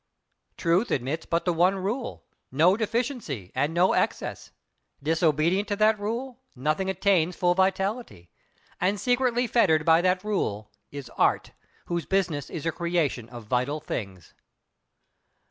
Truth admits but the one rule: No deficiency, and no excess! Disobedient to that rule—nothing attains full vitality. And secretly fettered by that rule is Art, whose business is the creation of vital things.